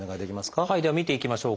では見ていきましょう。